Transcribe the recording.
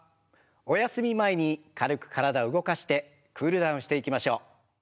おやすみ前に軽く体を動かしてクールダウンしていきましょう。